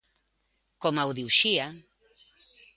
Coma o de Uxía.